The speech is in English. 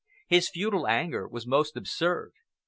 His futile anger was most absurd.